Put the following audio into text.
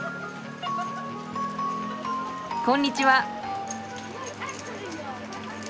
こんにちは。